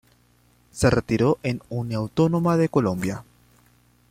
Se retiró en Uniautónoma de Colombia.